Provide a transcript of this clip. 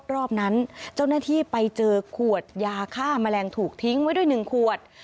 รอบนั้นเจ้าหน้าที่ไปเจอขวดยาฆ่าแมลงถูกทิ้งไว้ด้วย๑ขวด